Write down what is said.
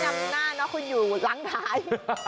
คุณไม่นำหน้าเนอะคุณอยู่หลังท้าย